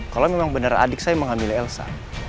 kalau memang benar adik saya mengambil elsa